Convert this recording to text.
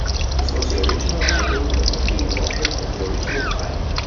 This was the original idol that was being worshipped at the original site.